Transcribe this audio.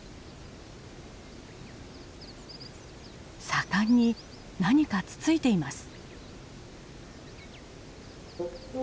盛んに何かつついています。